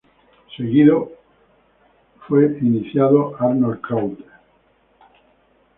Seguido fue iniciado Arnold Crowther.